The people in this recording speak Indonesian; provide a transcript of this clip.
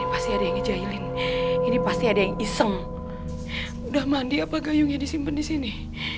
pasti ada yang iseng udah mandi apakah yang disimpan di sini